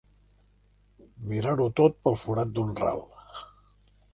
Mirar-ho tot pel forat d'un ral.